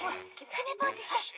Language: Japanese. きめポーズして。